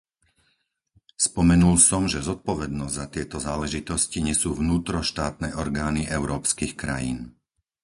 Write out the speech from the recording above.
Spomenul som, že zodpovednosť za tieto záležitosti nesú vnútroštátne orgány európskych krajín.